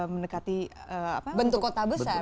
mendekati bentuk kota besar